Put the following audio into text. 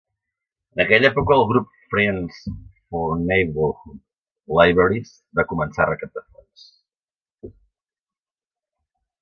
En aquella època el grup "Friends for Neighborhood Libraries" va començar a recaptar fons.